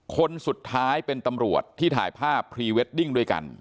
คนสุดท้ายเป็นตำรวจที่ถ่ายภาพด้วยกัน